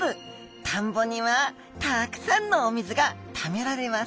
田んぼにはたくさんのお水がためられます。